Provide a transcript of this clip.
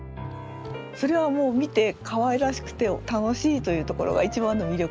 それはもう見てかわいらしくて楽しいというところが一番の魅力だと思います。